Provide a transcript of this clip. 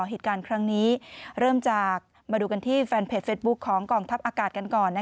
เหตุการณ์ครั้งนี้เริ่มจากมาดูกันที่แฟนเพจเฟสบุ๊คของกองทัพอากาศกันก่อน